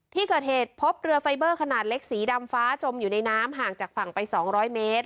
ที่เกิดเหตุพบเรือไฟเบอร์ขนาดเล็กสีดำฟ้าจมอยู่ในน้ำห่างจากฝั่งไป๒๐๐เมตร